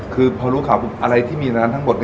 คือพอรู้ข่าวอะไรที่มีในนั้นทั้งหมด